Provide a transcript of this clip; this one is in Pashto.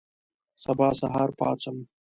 سبا سهار پاڅم